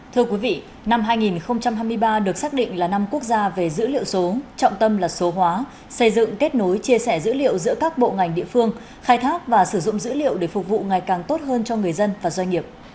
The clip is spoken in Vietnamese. thưa quý vị năm hai nghìn hai mươi ba được xác định là năm quốc gia về dữ liệu số trọng tâm là số hóa xây dựng kết nối chia sẻ dữ liệu giữa các bộ ngành địa phương khai thác và sử dụng dữ liệu để phục vụ ngày càng tốt hơn cho người dân và doanh nghiệp